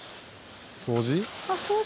掃除？